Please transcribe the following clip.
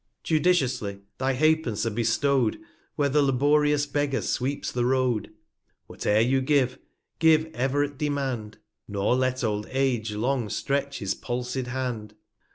Judiciously thy Half pence are bestow'd, Where the laborious Beggar sweeps the Road. Whate'er you give, give ever at Demand, 335 Nor let Old Age long stretch his palsy'd Hand.